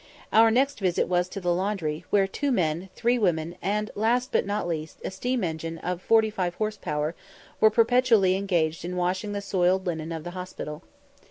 Our next visit was to the laundry, where two men, three women, and, last but not least, a steam engine of 45 horse power, were perpetually engaged in washing the soiled linen of the hospital.